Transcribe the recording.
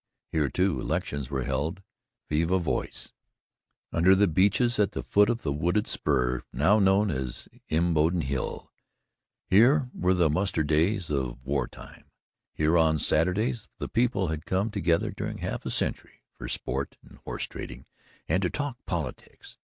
Here, too, elections were held viva voce under the beeches, at the foot of the wooded spur now known as Imboden Hill. Here were the muster days of wartime. Here on Saturdays the people had come together during half a century for sport and horse trading and to talk politics.